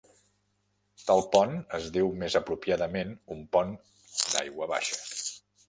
Tal pont es diu més apropiadament un pont d'aigua baixa.